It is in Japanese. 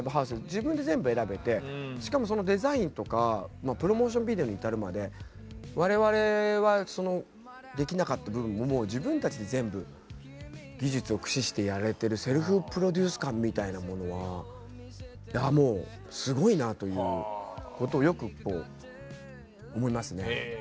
自分で全部選べてしかもそのデザインとかプロモーションビデオに至るまで我々はそのできなかった部分も自分たちで全部技術を駆使してやれてるということをよくこう思いますね。